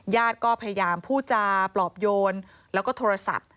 ญาติก็พยายามพูดจาปลอบโยนแล้วก็โทรศัพท์